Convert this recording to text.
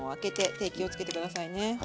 手気をつけて下さいね。